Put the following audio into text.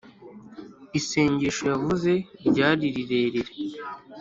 isengesho yavuze ryari rirerire